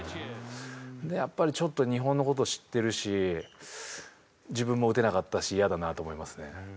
やっぱりちょっと日本の事を知ってるし自分も打てなかったしイヤだなと思いますね。